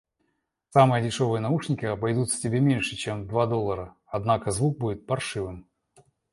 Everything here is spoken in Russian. Самые дешёвые наушники обойдутся тебе меньше, чем в два доллара, однако звук будет паршивым.